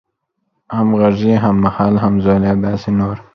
همغږی، هممهال، همزولی او داسې نور